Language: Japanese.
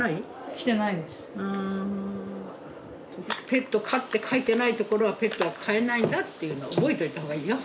「ペット可」って書いてないところはペットは飼えないんだっていうのを覚えといた方がいいよ。